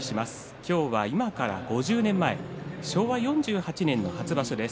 今日は今から５０年前昭和４８年の初場所です。